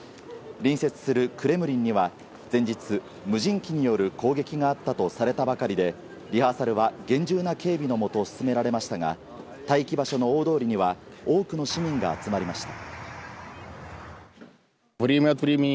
隣接するクレムリンには前日、無人機による攻撃があったとされたばかりでリハーサルは厳重な警備のもと進められましたが待機場所の大通りには多くの市民が集まりました。